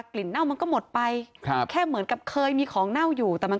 ลิเน่ามันก็หมดไปครับแค่เหมือนกับเคยมีของเน่าอยู่แต่มัน